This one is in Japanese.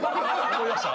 思い出した。